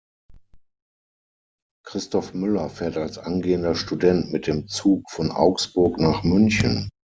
Christof Müller fährt als angehender Student mit dem Zug von Augsburg nach München.